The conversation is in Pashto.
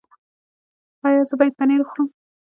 ایا زه باید پنیر وخورم؟